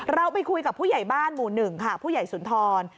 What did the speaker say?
เราไปคุยกับผู้ใหญ่บ้านหมู่๑ค่ะผู้ใหญ่สุนทร